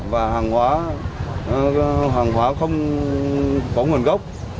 và hàng hóa không có nguồn gốc